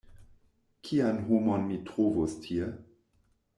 Kian homon mi trovos tie?